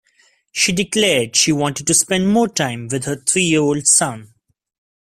She declared she wanted to spend more time with her three-year-old son.